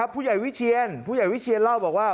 ผู้ใหญ่วิเชียนผู้ใหญ่วิเชียนเล่าบอกว่า